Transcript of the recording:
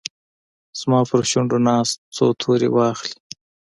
زما پرشونډو ناست، څو توري واخلې